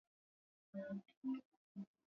Nakushukuru Baba Bwana wa mbingu na nchi